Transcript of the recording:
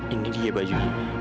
ini dia baju